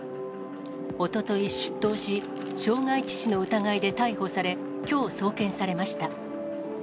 おととい出頭し、傷害致死の疑いで逮捕され、きょう送検されました。